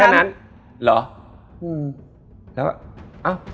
แค่นั้นใช่เมื่อยิน